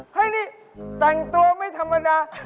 เฮ้ยนี่แต่งตัวไม่ธรรมดา